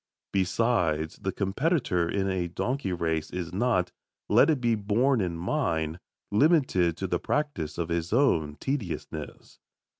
Besides, the competitor in a donkey race is not, let it be borne in mind, limited to the practice of his own tediousness.